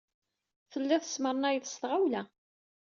Telliḍ tesmernayeḍ s tɣawla.